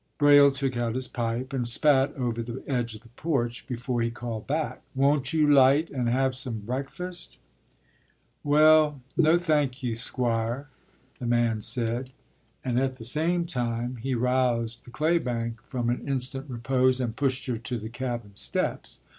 ” Braile took out his pipe, and spat over the edge of the porch, before he called back, “Won't you light and have some breakfast?” “Well, no, thank you, Squire,” the man said, and at the same time he roused the claybank from an instant repose, and pushed her to the cabin steps.